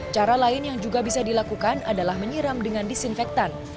cara lain yang juga bisa dilakukan adalah menyiram dengan disinfektan